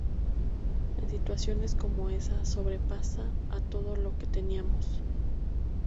En situaciones como esas sobrepasaba a todo lo que teníamos.